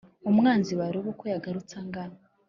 umwanzi barebe uko yagarutse angana.